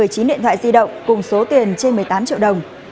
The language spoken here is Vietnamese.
một mươi chín điện thoại di động cùng số tiền trên một mươi tám triệu đồng